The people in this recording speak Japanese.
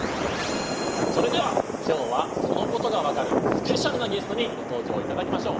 それでは今日はそのことが分かるスペシャルなゲストにご登場いただきましょう。